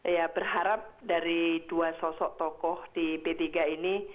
ya berharap dari dua sosok tokoh di b tiga ini